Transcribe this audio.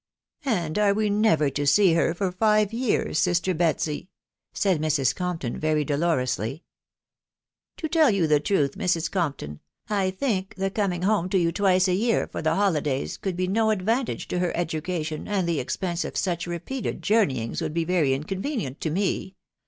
" And are we never to see her for five years, sister Betsy ?" tsaid Mrs. Corapton very dolorously. " .To tell you the .truth, Mre. Corrrpton, I think the coming iiome to you twice a year, for the holytaays, could be no i*d van tage to her education, ami the expense of such repeated jour, neyings would be very inconvenient to me.